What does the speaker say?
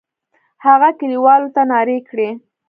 هغه کلیوالو ته نارې کړې.